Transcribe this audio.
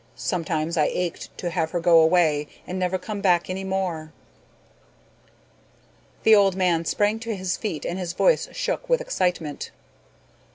Sometimes I ached to have her go away and never come back any more." The old man sprang to his feet and his voice shook with excitement.